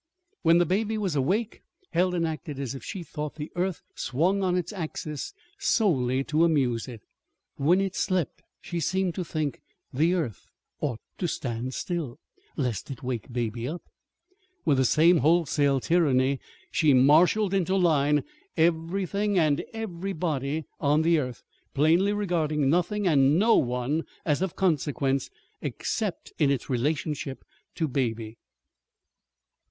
When the baby was awake, Helen acted as if she thought the earth swung on its axis solely to amuse it. When it slept, she seemed to think the earth ought to stand still lest it wake Baby up. With the same wholesale tyranny she marshaled into line everything and everybody on the earth, plainly regarding nothing and no one as of consequence, except in its relationship to Baby.